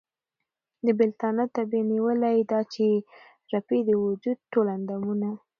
د بېلتانه تبې نيولی ، دا چې ئې رپي د وجود ټول اندامونه